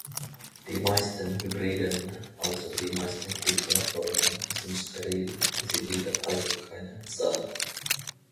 Die meisten Hybriden, also die meisten Kulturformen, sind steril, sie bilden also keine Samen.